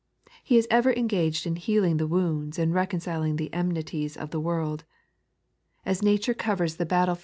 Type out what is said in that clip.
He is ever engaged in healing the wounds and reconciling the enmities of the world. Aa nature covers the battlefield 3.